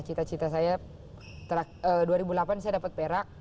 cita cita saya dua ribu delapan saya dapat perak